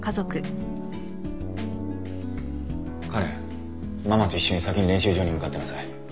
花恋ママと一緒に先に練習場に向かってなさい。